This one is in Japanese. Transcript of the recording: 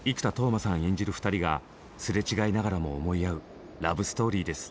演じる２人がすれ違いながらも思い合うラブストーリーです。